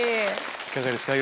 いかがですか？